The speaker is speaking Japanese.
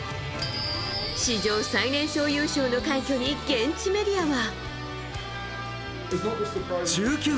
史上最年少優勝の快挙に現地メディアは。